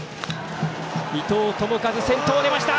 伊藤智一、先頭出ました！